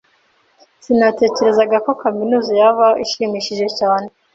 Sinatekerezaga ko kaminuza yaba ishimishije cyane.